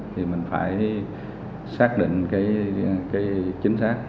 thì mình phải xác định cái chính xác